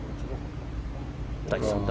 第３打。